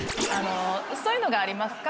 そういうのがありますか？